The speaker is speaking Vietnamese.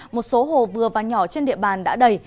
một số hồ vừa và nhỏ trên địa bàn đã đầy